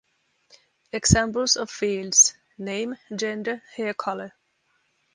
Examples of fields: name, gender, hair colour.